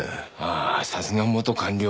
ああさすが元官僚。